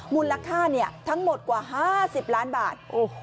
มูลค่าทั้งหมดกว่า๕๐ล้านบาท